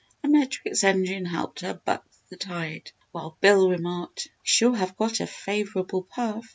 The Medric's engine helped her "buck" the tide while Bill remarked, "We sure have got a favourable puff!"